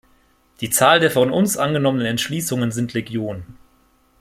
Die Zahl der von uns angenommenen Entschließungen sind Legion.